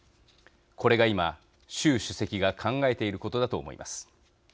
これが今、習主席が考えていることだと思います。